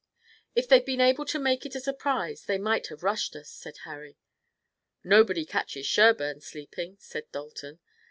"If they'd been able to make it a surprise they might have rushed us," said Harry. "Nobody catches Sherburne sleeping," said Dalton.